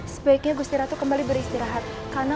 sampai jumpa di video selanjutnya